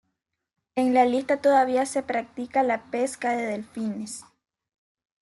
En la isla todavía se practica la pesca de delfines.